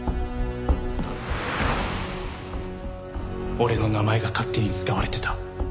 俺の名前が勝手に使われてた。